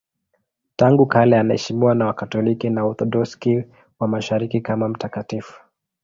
Tangu kale anaheshimiwa na Wakatoliki na Waorthodoksi wa Mashariki kama mtakatifu.